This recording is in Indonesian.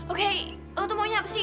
oke lo tuh maunya apa sih